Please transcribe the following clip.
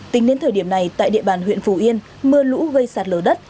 tính đến thời điểm này tại địa bàn huyện phù yên mưa lũ gây sạt lở đất